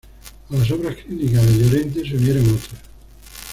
A las obras críticas de Llorente se unieron otras.